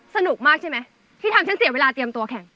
สนุกมากใช่ไหมที่ทำฉันเสียเวลาเตรียมตัวแข่ง